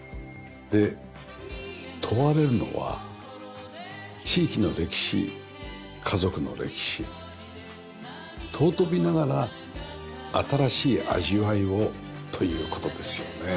で問われるのは地域の歴史家族の歴史尊びながら新しい味わいをという事ですよね。